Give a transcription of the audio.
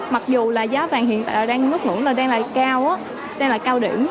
mặc dù là giá vàng hiện tại đang nốt ngưỡng là đang là cao đang là cao điểm